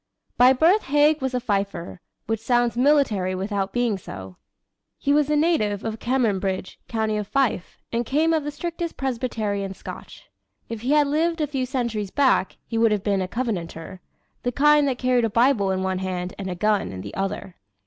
By birth Haig was a "Fifer," which sounds military without being so. He was a native of Cameronbridge, County of Fife, and came of the strictest Presbyterian Scotch. If he had lived a few centuries back he would have been a Covenanter the kind that carried a Bible in one hand and a gun in the other.